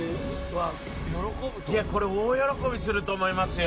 これ大喜びすると思いますよ。